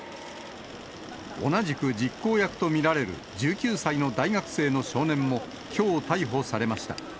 同じく実行役と見られる１９歳の大学生の少年もきょう逮捕されました。